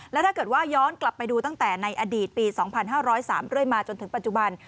แล้วถ้าเกิดว่าย้อนกลับไปดูตั้งแต่ในอดีตปี๒๕๐๓เรื่อยมาจนถึงปัจจุบัน